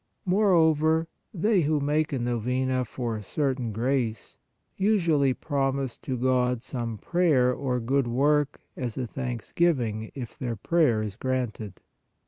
Moreover, they who make a Novena for a certain grace, usually promise to God some prayer or good work as a thanksgiving, if their prayer is granted.